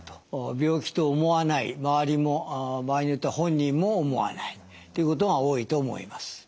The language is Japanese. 病気と思わない周りも場合によっては本人も思わないということが多いと思います。